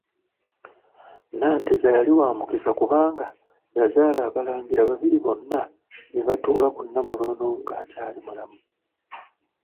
Nanteza yali wamukisa kubanga yazaala abalangira babiri bonna ne batuula ku Namulondo nga akyaali mulamu.